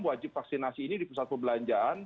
wajib vaksinasi ini di pusat perbelanjaan